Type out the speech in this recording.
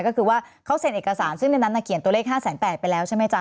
ก็คือว่าเขาเซ็นเอกสารซึ่งในนั้นเขียนตัวเลข๕๘๐๐ไปแล้วใช่ไหมจ๊